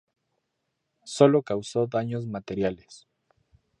Sólo causó daños materiales.